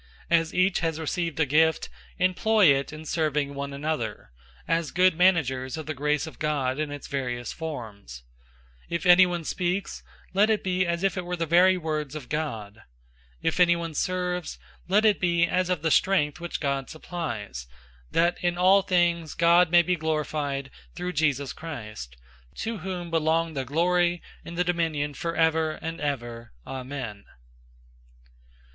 004:010 As each has received a gift, employ it in serving one another, as good managers of the grace of God in its various forms. 004:011 If anyone speaks, let it be as it were the very words of God. If anyone serves, let it be as of the strength which God supplies, that in all things God may be glorified through Jesus Christ, to whom belong the glory and the dominion forever and ever. Amen.